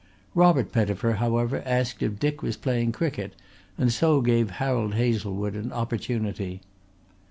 Robert Pettifer however asked if Dick was playing cricket, and so gave Harold Hazlewood an opportunity.